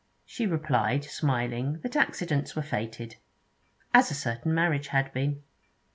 She replied, smiling, that accidents were fated. As a certain marriage had been!